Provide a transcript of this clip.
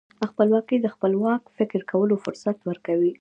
خپلواکي د خپلواک فکر کولو فرصت ورکوي.